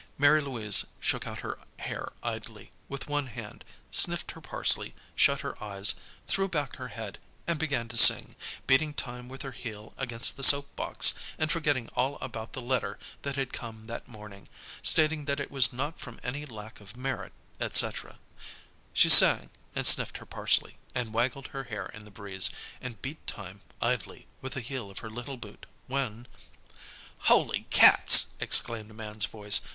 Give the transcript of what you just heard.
Mary Louise shook out her hair idly, with one hand, sniffed her parsley, shut her eyes, threw back her head, and began to sing, beating time with her heel against the soap box, and forgetting all about the letter that had come that morning, stating that it was not from any lack of merit, etc. She sang, and sniffed her parsley, and waggled her hair in the breeze, and beat time, idly, with the heel of her little boot, when "Holy Cats!" exclaimed a man's voice.